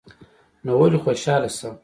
نو ولي خوشحاله شم